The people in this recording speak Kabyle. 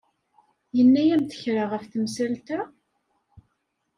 Yenna-yam-d kra ɣef temsalt-a?